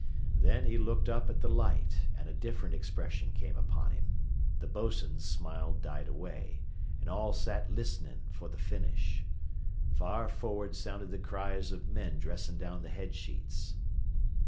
Then he looked up at the light, and a different expression came upon him. The bos'n's smile died away, and all sat listening for the finish. Far forward sounded the cries of men dressing down the head sheets.